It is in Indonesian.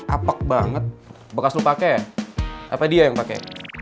apak banget bekas lo pake ya apa dia yang pake